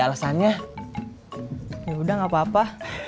alesannya udah nggak apa apa